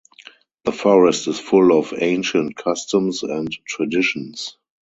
The Forest is full of ancient customs and traditions.